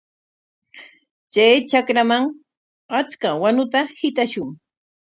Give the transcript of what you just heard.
Chay trakraman achka wanuta hitashun.